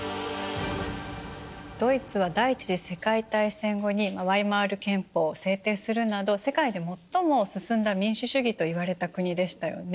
ドイツは第一次世界大戦後にワイマル憲法を制定するなど世界で最も進んだ民主主義といわれた国でしたよね。